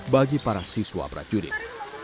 bagi para siswa prajurit